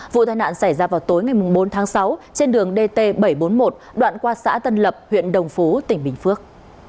vụ tai nạn xảy ra vào tối ngày bốn tháng sáu trên đường dt bảy trăm bốn mươi một đoạn qua xã tân lập huyện đồng phú tỉnh bình phước